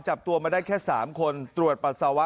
จับตัวมาได้แค่๓คนตรวจปัสสาวะ